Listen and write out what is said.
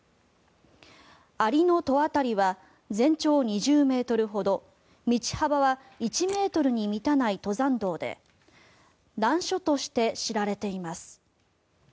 蟻の塔渡りは全長２０ｍほど道幅は１ｍに満たない登山道で難所として知られています。